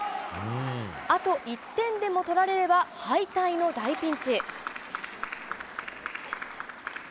あと１点でも取られれば敗退の大ピンチ。